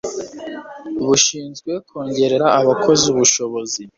bushinzwe kongerera abakozi ubushobozi